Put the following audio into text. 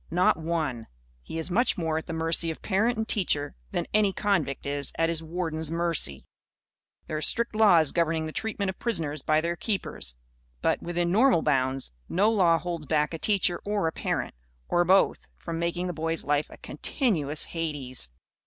Not one. He is much more at the mercy of parent and teacher than any convict is at his warden's mercy. There are strict laws governing the treatment of prisoners by their keepers. But, within normal bounds, no law holds back a teacher or a parent or both from making a boy's life a continuous Hades.